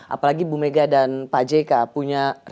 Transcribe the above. apalagi bu mega dan pak jk punya